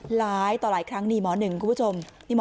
หลายต่อหลายครั้งนี่หมอหนึ่งคุณผู้ชม